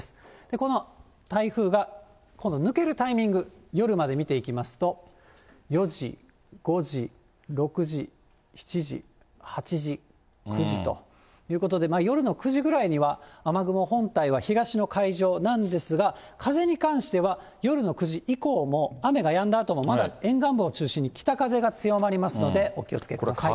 この台風が今度抜けるタイミング、夜まで見ていきますと、４時、５時、６時、７時、８時、９時ということで、夜の９時くらいには雨雲本体は東の海上なんですが、風に関しては夜の９時以降も雨がやんだあとも、まだ沿岸部を中心に北風が強まりますので、お気をつけください。